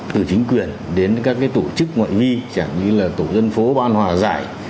từ chính quyền đến các tổ chức ngoại vi chẳng như là tổ dân phố ban hòa giải